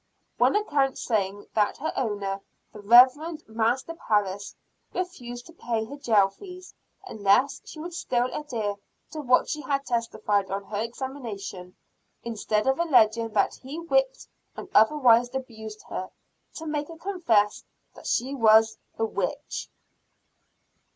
One account saying that her owner, the Rev. Master Parris, refused to pay her jail fees, unless she would still adhere to what she had testified on her examination, instead of alleging that he whipped and otherwise abused her, to make her confess that she was a witch.